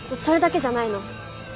それだけじゃないの。